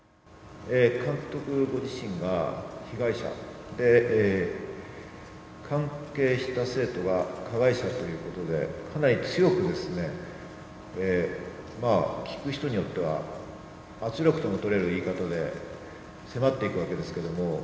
監督ご自身が被害者で、関係した生徒が加害者ということで、かなり強く、聞く人によっては、圧力とも取れる言い方で迫っていくわけですけども。